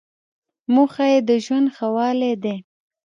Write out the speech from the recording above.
موخه یې د ژوند ښه والی دی.